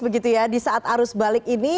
begitu ya di saat arus balik ini